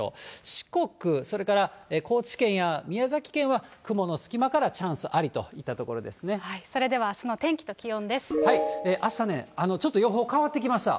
四国、それから高知県や宮崎県は雲の隙間からチャンスありといったとこそれではあすの天気と気温であしたね、ちょっと予報変わってきました。